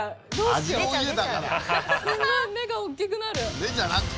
目じゃなくて。